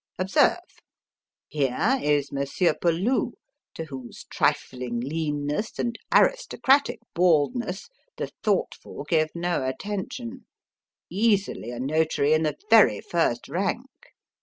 Observe: Here is Monsieur Peloux to whose trifling leanness and aristocratic baldness the thoughtful give no attention easily a notary in the very first rank.